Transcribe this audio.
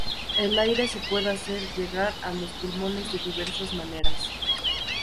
El aire se puede hacer llegar a los pulmones de diversas maneras.